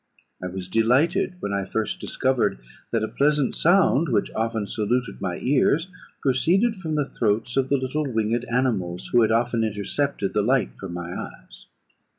I was delighted when I first discovered that a pleasant sound, which often saluted my ears, proceeded from the throats of the little winged animals who had often intercepted the light from my eyes.